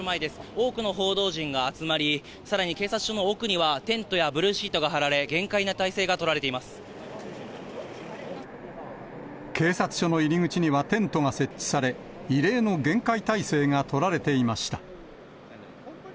多くの報道陣が集まり、さらに警察署の奥には、テントやブルーシートが張られ、警察署の入り口にはテントが設置され、異例の厳戒態勢が取られていました。